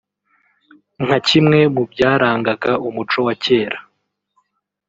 nka kimwe mu byarangaga umuco wa kera